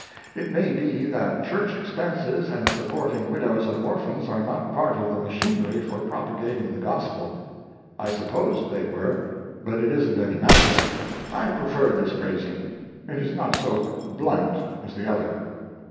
It may be that church expenses and sup porting widows and orphans are not part of the machinery for propagating the Gospel. I supposed they were, but it isn't any matter ; I prefer this phrasing ; it is not so blunt as the other.